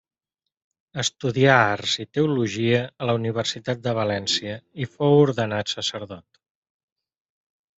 Estudià arts i teologia a la Universitat de València, i fou ordenat sacerdot.